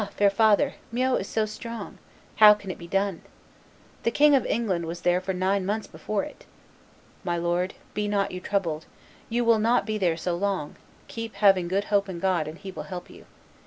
fair father, Meaux is so strong! How can it be done? The King of England was there for nine months before it." "My lord, be not you troubled; you will not be there so long; keep having good hope in God and He will help you.